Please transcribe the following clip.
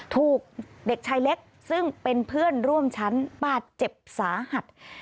ถูกเด็กชายเล็กซึ่งเป็นเพื่อนร่วมชั้นบาดเจ็บสาหัส